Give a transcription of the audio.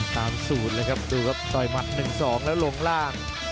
สูตรเลยครับดูครับต่อยหมัด๑๒แล้วลงล่าง